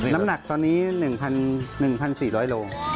น้ำหนักตอนนี้๑๔๐๐โล